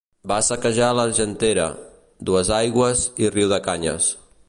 Va saquejar l'Argentera, Duesaigües i Riudecanyes.